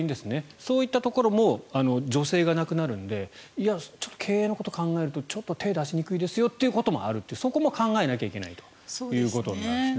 そういったところも助成がなくなるので経営のことを考えるとちょっと手を出しにくいですよというところもあるとそこも考えないといけないということですね。